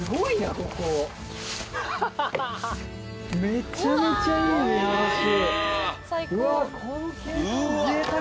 めちゃめちゃいい見晴らし。